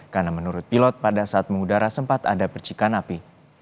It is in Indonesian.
karena menurut pilot pada saat memudara sempat ada persyikan api